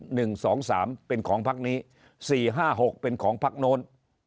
หนึ่งสองสามเป็นของพักนี้สี่ห้าหกเป็นของพักโน้น